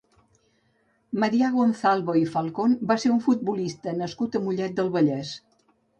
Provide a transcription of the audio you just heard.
Marià Gonzalvo i Falcon va ser un futbolista nascut a Mollet del Vallès.